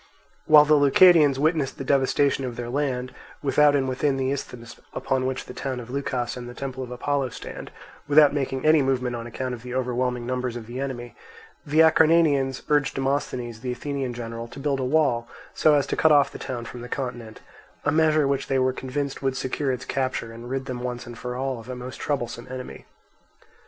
While the Leucadians witnessed the devastation of their land, without and within the isthmus upon which the town of Leucas and the temple of Apollo stand, without making any movement on account of the overwhelming numbers of the enemy, the Acarnanians urged Demosthenes, the Athenian general, to build a wall so as to cut off the town from the continent, a measure which they were convinced would secure its capture and rid them once and for all of a most troublesome enemy.